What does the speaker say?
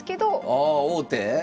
ああ王手？